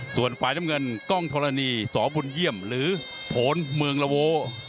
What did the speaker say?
ส่วนฝ่ายน้ำเงินกล้องธรณีสบุญเยี่ยมหรือผลเมืองละโว